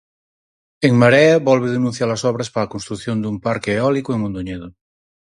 En Marea volve denunciar as obras para a construción dun parque eólico en Mondoñedo.